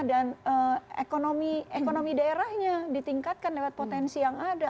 dan ekonomi daerahnya ditingkatkan lewat potensi yang ada